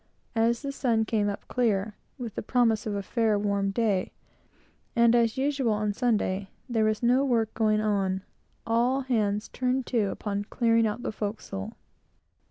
As the sun came up clear, with the promise of a fair, warm day, and, as usual on Sunday, there was no work going on, all hands turned to upon clearing out the forecastle.